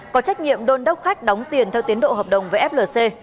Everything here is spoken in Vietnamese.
có trách nhiệm đôn đốc khách đóng tiền theo tiến độ hợp đồng với flc